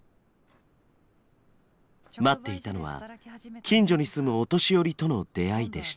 待っていたのは近所に住むお年寄りとの出会いでした。